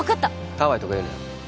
ハワイとか言うなよ